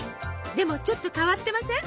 でもちょっと変わってません？